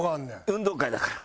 運動会だから。